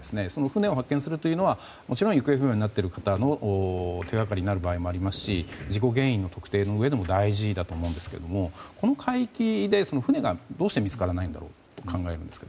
船を発見するというのはもちろん行方不明になっている方の手掛かりになる場合もありますし事故原因の特定のうえでも大事だと思うんですけどもこの海域で船がどうして見つからないのかと。